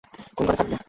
কোন ঘরে থাকবে।